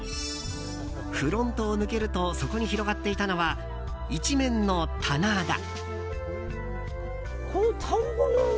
フロントを抜けるとそこに広がっていたのは一面の棚田。